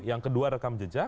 yang kedua rekam jejak